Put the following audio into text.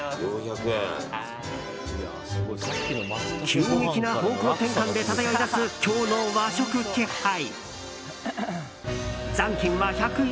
急激な方向転換で漂い出す今日の和食気配。